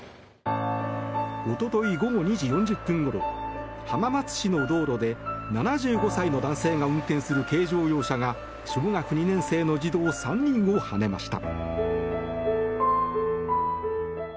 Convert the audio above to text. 一昨日午後２時４０分ごろ浜松市の道路で７５歳の男性が運転する軽乗用車が小学２年生の児童３人をはねました。